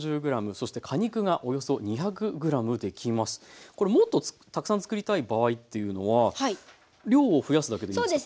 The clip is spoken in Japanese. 今回はこれもっとたくさんつくりたい場合というのは量を増やすだけでいいですか？